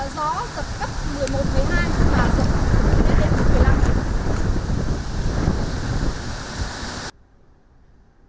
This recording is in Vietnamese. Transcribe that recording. gió giật cấp một mươi một hai và giật lên đến một mươi năm